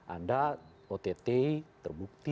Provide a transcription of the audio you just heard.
anda ott terbukti